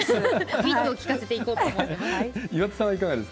ウィットを利かせていこうと思います。